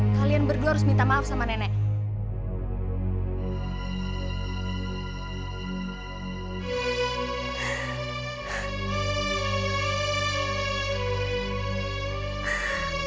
kalian berdua harus minta maaf sama nenek